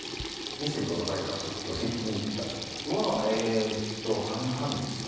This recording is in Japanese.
「ミステリと言う勿れ」に関しては寄せにいったんですかね？はえっと半々ですね。